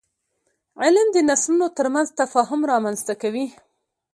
علم د نسلونو ترمنځ تفاهم رامنځته کوي.